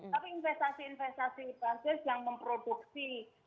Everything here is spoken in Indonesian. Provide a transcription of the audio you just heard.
tapi investasi investasi basis yang memproduksi